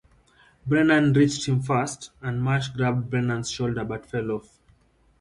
Brennan reached him first, and Marsh grabbed Brennan's shoulder but fell off.